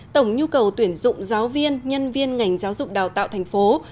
tổng nhu cầu tuyển dụng giáo viên nhân viên ngành giáo dục đào tạo tp hcm